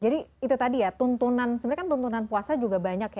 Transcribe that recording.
jadi itu tadi ya tuntunan sebenarnya kan tuntunan puasa juga banyak ya